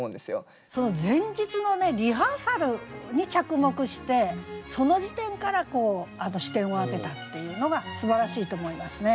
その前日のリハーサルに着目してその時点から視点を当てたっていうのがすばらしいと思いますね。